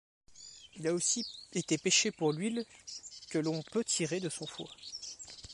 Il a aussi été pêché pour l'huile que l'on peut tirer de son foie.